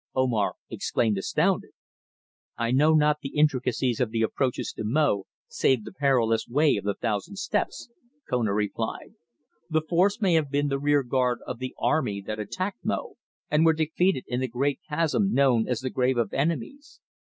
Omar exclaimed astounded. "I know not the intricacies of the approaches to Mo save the perilous Way of the Thousand Steps," Kona replied. "The force may have been the rear guard of the army that attacked Mo, and were defeated in the great chasm known as the Grave of Enemies.